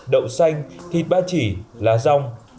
đậu xanh thịt ba chỉ lá rong